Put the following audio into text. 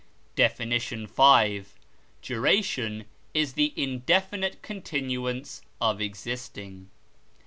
DEFINITION V. Duration is the indefinite continuance of existing.